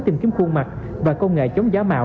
tìm kiếm khuôn mặt và công nghệ chống giá mạo